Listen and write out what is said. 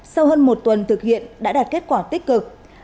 sau hơn một tuần thực hiện đã đạt kết quả tích cực